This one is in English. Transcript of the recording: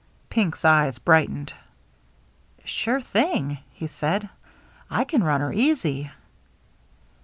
Pink's eyes brightened. "Sure thing," he said, " I can run her easy."